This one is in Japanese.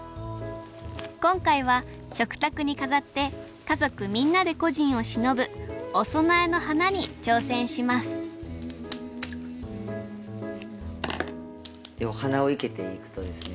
今回は食卓に飾って家族みんなで故人をしのぶお供えの花に挑戦しますでお花を生けていくとですね